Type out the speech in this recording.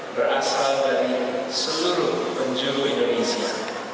kesehatan warganya berasal dari seluruh penjuru indonesia